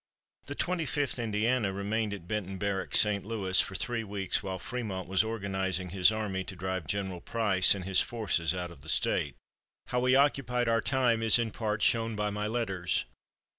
The Twenty fifth Indiana remained at Benton Barracks, St. Louis, for three weeks, while Frémont was organizing his army to drive General Price and his forces out of the State. How we occupied our time is in part shown by my letters.